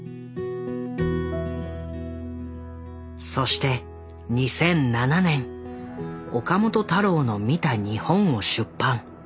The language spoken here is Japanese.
そして２００７年「岡本太郎の見た日本」を出版。